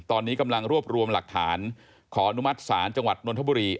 ตอนนี้กำลังรวบรวมหลักฐานขออนุมัติศาลจังหวัดนทบุรี